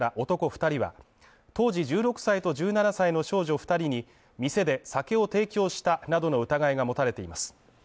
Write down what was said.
２人は当時１６歳と１７歳の少女２人に店で酒を提供したなどの疑いが持たれています。